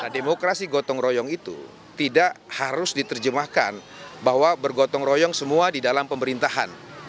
demokrasi gotong royong itu tidak harus diterjemahkan bahwa bergotong royong semua di dalam pemerintahan